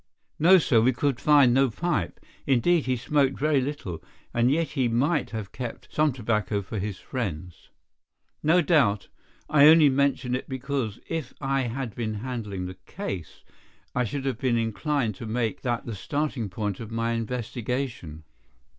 "No, sir, we could find no pipe. Indeed, he smoked very little, and yet he might have kept some tobacco for his friends." "No doubt. I only mention it because, if I had been handling the case, I should have been inclined to make that the starting point of my investigation.